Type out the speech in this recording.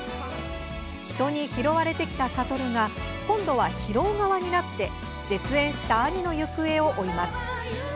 人に拾われてきた諭が今度は拾う側になって絶縁した兄の行方を追います。